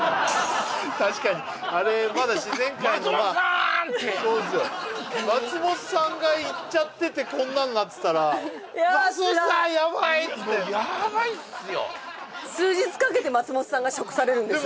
確かにあれまだ自然界のまあ「松本さーん！」ってそうですよ松本さんがいっちゃっててこんなんなってたらいやつらい「松本さんヤバい！」ってもうヤバいっすよ数日かけて松本さんが食されるんですよ